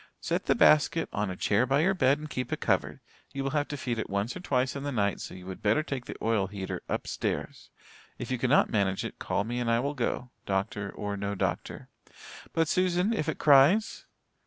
"Set the basket on a chair by your bed and keep it covered. You will have to feed it once or twice in the night, so you would better take the oil heater upstairs. If you cannot manage it call me and I will go, doctor or no doctor." "But, Susan, if it cries?"